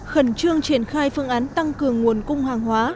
khẩn trương triển khai phương án tăng cường nguồn cung hàng hóa